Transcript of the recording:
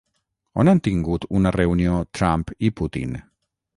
On han tingut una reunió Trump i Putin?